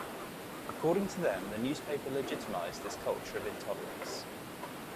According to them, the newspaper legitimized this culture of intolerance.